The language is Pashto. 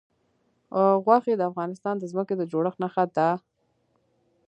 غوښې د افغانستان د ځمکې د جوړښت نښه ده.